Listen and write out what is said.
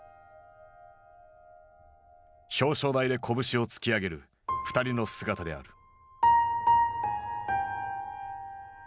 表彰台で拳を突き上げる２人の姿である。